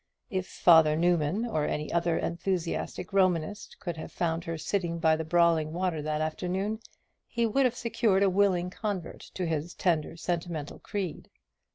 If Father Newman, or any other enthusiastic Romanist, could have found her sitting by the brawling water that afternoon, he would have secured a willing convert to his tender sentimental creed.